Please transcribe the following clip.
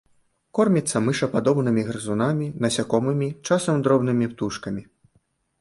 Корміцца мышападобнымі грызунамі, насякомымі, часам дробнымі птушкамі.